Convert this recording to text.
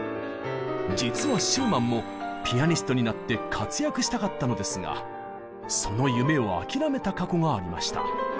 実はシューマンもピアニストになって活躍したかったのですがその夢を諦めた過去がありました。